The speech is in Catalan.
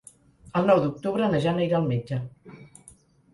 El nou d'octubre na Jana irà al metge.